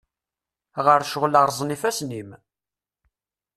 Ɣer ccɣel, rẓen yifassen-im.